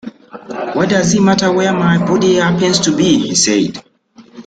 ‘What does it matter where my body happens to be?’ he said.